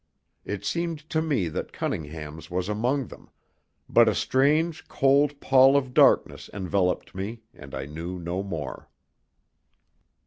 It seemed to me that Cunningham's was among them, but a strange, cold pall of darkness enveloped me, and I knew no more.